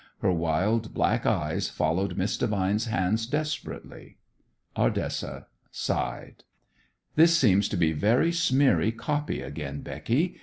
Her wild, black eyes followed Miss Devine's hands desperately. Ardessa sighed. "This seems to be very smeary copy again, Becky.